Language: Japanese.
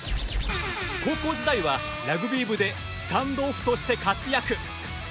高校時代はラグビー部でスタンドオフとして活躍。